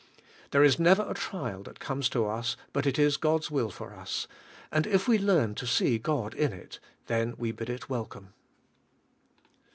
There is never a trial that comes to us but it is God's will for us, and if we learn to see God in it, then we bid it welcome.